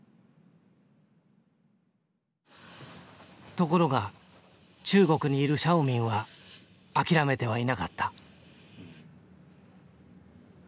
ところが中国にいるシャオミンは諦めてはいなかった。